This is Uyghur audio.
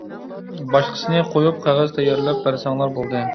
باشقىسىنى قويۇپ قەغەز تەييارلاپ بەرسەڭلا بولدى!